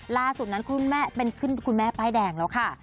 ล่าสุดนั้นคุณแม่เป็นคุณแม่ป้ายแดงแล้วค่ะ